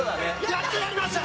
やっとやりました。